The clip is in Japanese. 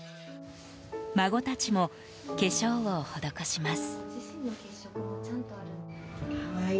孫たちも化粧を施します。